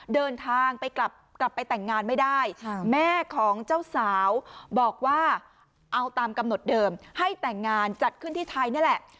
เดินทางไปกลับไปแต่งงานไม่ได้แม่ของเจ้าสาวบอกว่าเอาตามกำหนดเดิมให้แต่งงานจัดขึ้นที่ไทยนี่แหละ